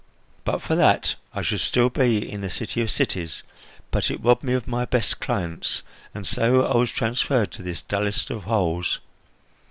But for that I should still be in the city of cities; but it robbed me of my best clients, and so I was transferred to this dullest of holes.